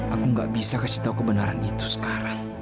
aku gak bisa kasih tahu kebenaran itu sekarang